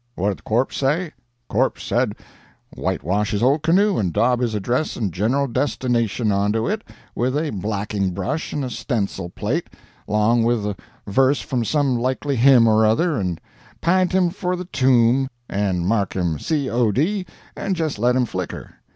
What did corpse say? "Corpse said, whitewash his old canoe and dob his address and general destination onto it with a blacking brush and a stencil plate, 'long with a verse from some likely hymn or other, and p'int him for the tomb, and mark him C. O. D., and just let him flicker.